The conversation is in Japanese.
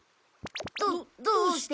どどうして？